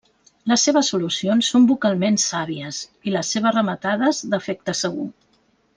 Les seves solucions són vocalment sàvies i les seves rematades, d'efecte segur.